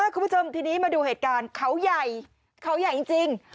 คุณผู้ชมทีนี้มาดูเหตุการณ์เขาใหญ่เขาใหญ่จริง